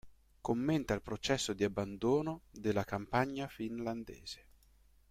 Commenta il processo di abbandono della campagna finlandese.